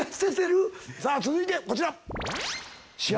さあ続いてこちら。